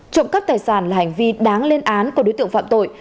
trộm cắp tài sản là hành vi đáng lên án của đối tượng phạm tội